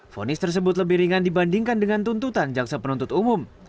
fonis tersebut lebih ringan dibandingkan dengan tuntutan jaksa penuntut umum